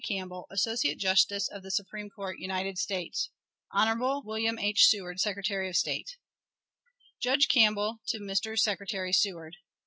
CAMPBELL, Associate Justice of the Supreme Court, United States. Hon. William H. Seward, Secretary of State. Judge Campbell to Mr. Secretary Seward.